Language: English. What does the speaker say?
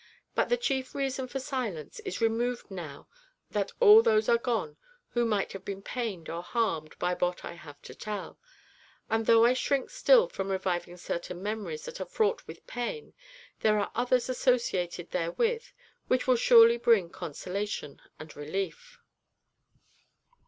But the chief reason for silence is removed now that all those are gone who might have been pained or harmed by what I have to tell, and, though I shrink still from reviving certain memories that are fraught with pain, there are others associated therewith which will surely bring consolation and relief.